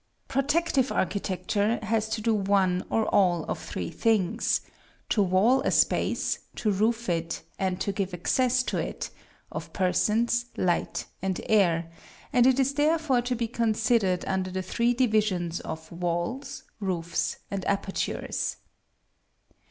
Protective architecture has to do one or all of three things: to wall a space, to roof it, and to give access to it, of persons, light, and air; and it is therefore to be considered under the three divisions of walls, roofs, and apertures.